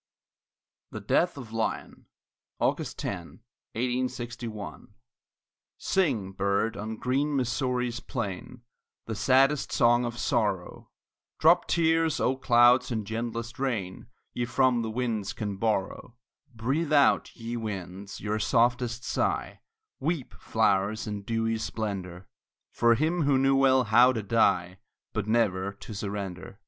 THE DEATH OF LYON [August 10, 1861] Sing, bird, on green Missouri's plain, The saddest song of sorrow; Drop tears, O clouds, in gentlest rain Ye from the winds can borrow; Breathe out, ye winds, your softest sigh, Weep, flowers, in dewy splendor, For him who knew well how to die, But never to surrender.